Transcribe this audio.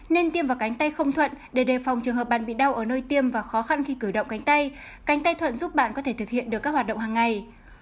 nên tiêm vào cánh tay không thuận để đề phòng trường hợp bạn bị đau ở nơi tiêm và khó khăn khi cử động cánh tay cánh tay thuận giúp bạn có thể thực hiện được các hoạt động hàng ngày